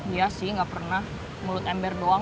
iya sih nggak pernah mulut ember doang